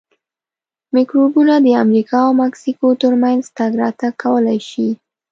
میکروبونه د امریکا او مکسیکو ترمنځ تګ راتګ کولای شي.